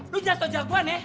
lo gak tau siapa gue